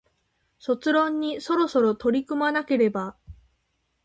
卒論にそろそろ取り組まなければ